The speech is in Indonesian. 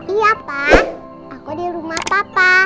iya pak aku di rumah papa